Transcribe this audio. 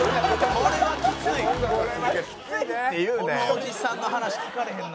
このおじさんの話聞かれへんな。